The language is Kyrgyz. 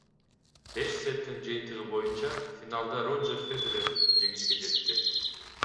Беш сеттин жыйынтыгы боюнча финалда Рожер Федерер жеңишке жетти.